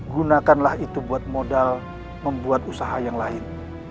gunakanlah itu buat modal membuat usaha yang lain